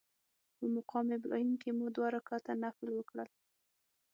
په مقام ابراهیم کې مو دوه رکعته نفل وکړل.